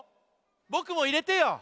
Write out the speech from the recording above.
ぼくもいれてよ！